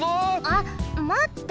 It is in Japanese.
あっまって！